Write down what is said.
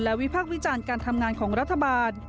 และวิภาควิจารณ์การทำงานของรัฐบาล